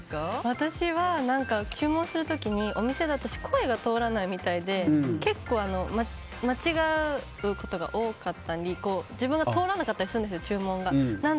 私は注文する時に声が通らないみたいで結構間違うことが多かったり自分が通らなかったりするんです注文が。